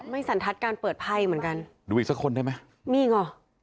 สันทัศน์การเปิดไพ่เหมือนกันดูอีกสักคนได้ไหมมีอีกหรอ